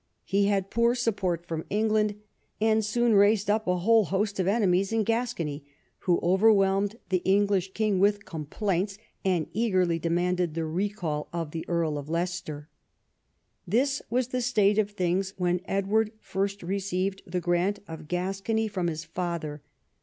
He had poor support from England, and soon raised up a whole host of enemies in Gascony, Avho overwhelmed the English king with complaints and eagerly demanded the recall of the Earl of Leicester. This was the state of things when Edward first re ceived the grant of Gascony from his father.